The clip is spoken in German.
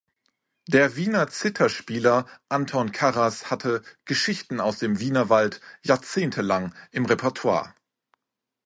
Der Wiener Zitherspieler Anton Karas hatte "Geschichten aus dem Wienerwald" jahrzehntelang im Repertoire.